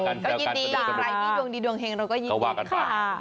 ก็ยินดีใครมีดวงดีดวงเฮงเราก็ยินดีค่ะ